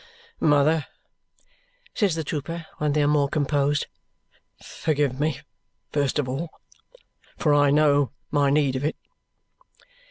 "Mother," says the trooper when they are more composed, "forgive me first of all, for I know my need of it."